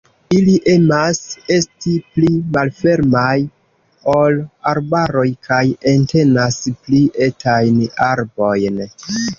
Ili emas esti pli malfermaj ol arbaroj kaj entenas pli etajn arbojn.